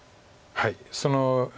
はい。